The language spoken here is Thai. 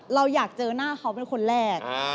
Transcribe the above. เราอยากเจอหน้าเค้าเป็นคนนั้นแหลก